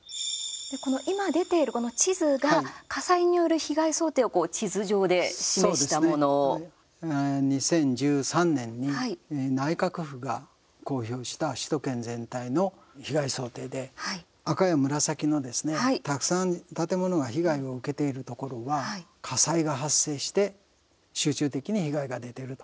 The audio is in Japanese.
この今出ているこの地図が火災による被害想定をそうですね２０１３年に内閣府が公表した首都圏全体の被害想定で赤や紫のですね、たくさん建物が被害を受けているところは火災が発生して集中的に被害が出ていると。